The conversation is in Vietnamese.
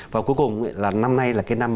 và cuối cùng là năm nay là cái năm